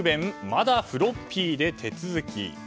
まだフロッピーで手続き。